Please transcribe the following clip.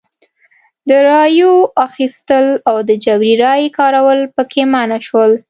د رایو اخیستل او د جبري رایې کارول پکې منع شول.